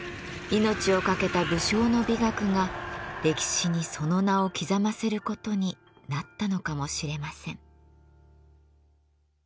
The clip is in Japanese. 命を懸けた武将の美学が歴史にその名を刻ませる事になったのかもしれません。